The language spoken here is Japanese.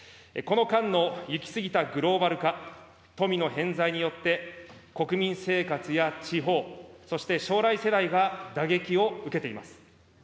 この間の行き過ぎたグローバル化、富の偏在によって国民生活や地方、そして将来世代が打撃を受けています。